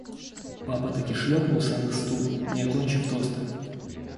Папа так и шлепнулся на стул, не окончив тоста.